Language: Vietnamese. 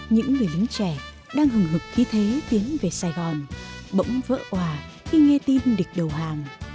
những người lính trẻ đang hừng mực khí thế tiến về sài gòn bỗng vỡ hòa khi nghe tin địch đầu hàng